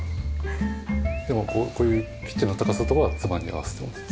でもこういうキッチンの高さとかは妻に合わせてます。